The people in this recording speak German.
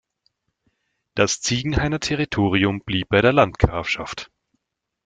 Das Ziegenhainer Territorium blieb bei der Landgrafschaft.